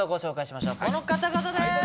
この方々です！